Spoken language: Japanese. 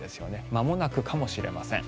まもなくかもしれません。